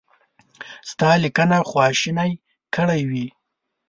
ستا لیکنه خواشینی کړی وي.